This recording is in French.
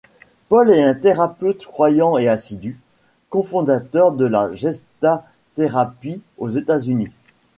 Paul est un thérapeute croyant et assidu, cofondateur de la Gestalt-thérapie aux États-Unis.